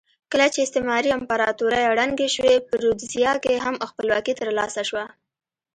کله چې استعماري امپراتورۍ ړنګې شوې په رودزیا کې هم خپلواکي ترلاسه شوه.